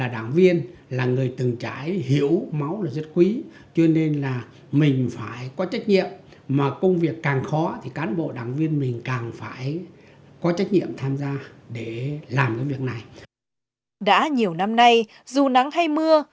đã nhiều năm nay dù nắng hay mưa